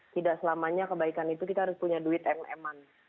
tidak selamanya kebaikan itu kita harus punya duit yang emang